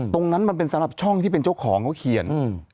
มันเป็นสำหรับช่องที่เป็นเจ้าของเขาเขียน